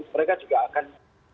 mereka juga akan